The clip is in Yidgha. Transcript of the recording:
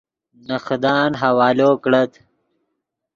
نے خدان حوالو کڑت